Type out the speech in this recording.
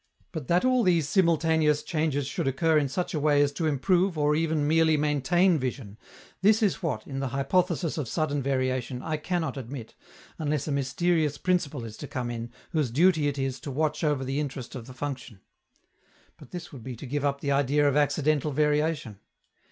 But that all these simultaneous changes should occur in such a way as to improve or even merely maintain vision, this is what, in the hypothesis of sudden variation, I cannot admit, unless a mysterious principle is to come in, whose duty it is to watch over the interest of the function. But this would be to give up the idea of "accidental" variation.